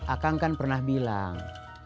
akang kan pernah bilang